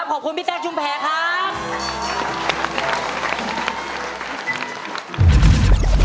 ขอบคุณพี่แจ๊คชุมแพรครับ